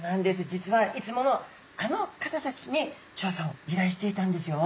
実はいつものあの方たちに調査をいらいしていたんですよ。